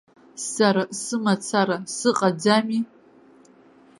Сара сымацара сыҟаӡами?